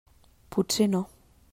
Potser no.